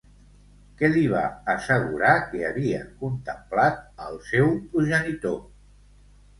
Què li va assegurar que havia contemplat, al seu progenitor?